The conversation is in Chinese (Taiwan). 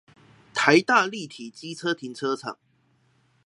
臺大立體機車停車場